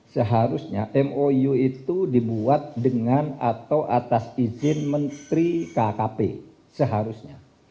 seharusnya mou itu dibuat dengan atau atas izin menteri kkp seharusnya